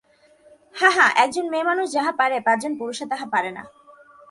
হাঁ হাঁ, একজন মেয়েমানুষ যাহা পারে পাঁচজন পুরুষে তাহা পারে না।